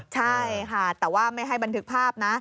ใช่ค่ะแต่ว่าไม่ให้บันทึกภาพนะ